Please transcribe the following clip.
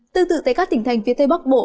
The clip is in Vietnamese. tương tự tại các tỉnh thành phía tây bắc bộ